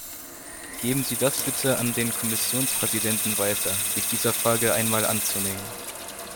Geben Sie das bitte an den Kommissionspräsidenten weiter, sich dieser Frage einmal anzunehmen.